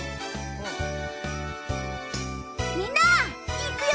みんないくよ！